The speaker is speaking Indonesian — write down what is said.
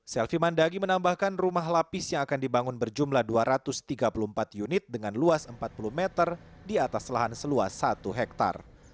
selvi mandagi menambahkan rumah lapis yang akan dibangun berjumlah dua ratus tiga puluh empat unit dengan luas empat puluh meter di atas lahan seluas satu hektare